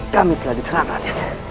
kami telah diserang radyat